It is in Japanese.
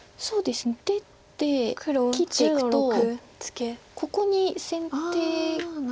出て切っていくとここに先手ですし。